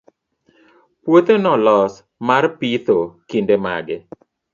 puothe nolos mar pitho kinde mage?